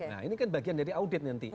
nah ini kan bagian dari audit nanti